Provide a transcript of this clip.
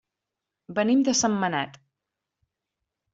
Venim de Sentmenat.